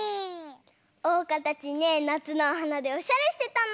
おうかたちねなつのおはなでおしゃれしてたの！